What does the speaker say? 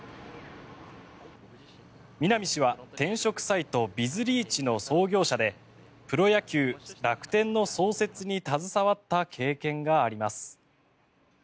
南氏は、転職サイトビズリーチの創業者でプロ野球、楽天の創設に携わった経験があります。